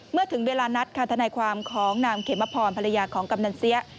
เมื่อถึงเวลานัดค่ะทนายความของนางเขมพรภรรยาของกำนันเสีย